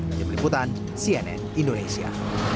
dan diperliputan cnn indonesia